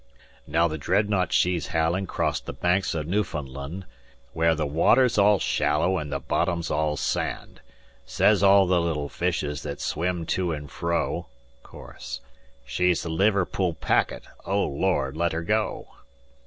"Now the Dreadnought she's howlin' crost the Banks o' Newfoundland, Where the water's all shallow and the bottom's all sand. Sez all the little fishes that swim to and fro: (Chorus.) 'She's the Liverpool packet O Lord, let her go!'"